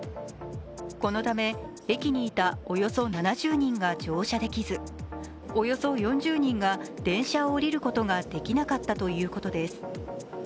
このため、駅にいたおよそ７０人が乗車できず、およそ４０人が電車を降りることができなかったということです。